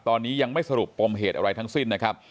ตอนนี้ยังไม่สรุปปมเหตุอะไรทั้งสิ้นนะครับ